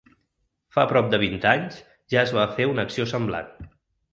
Fa prop de vint anys ja es va fer una acció semblant.